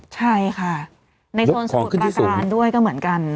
ใช่ค่ะในโซนสมุทรประการด้วยก็เหมือนกัน